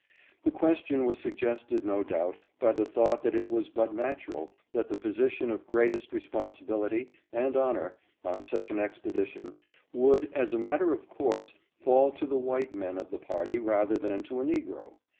The question was suggested no doubt by the thought that it was but natural that the positions of greatest responsibility and honor on such an expedition would as a matter of course fall to the white men of the party rather than to a Negro.